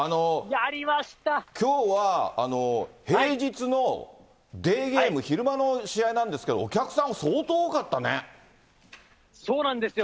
きょうは、平日のデーゲーム、昼間の試合なんですけど、お客さん、そうなんですよ。